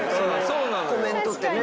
そのコメントってね。